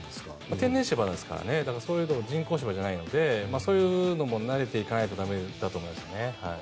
天然芝ですから人工芝じゃないのでそういうのも慣れていかないと駄目だと思いますね。